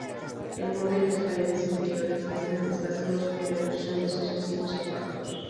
El borde y las paredes interiores están desgastados por la erosión de sucesivos impactos.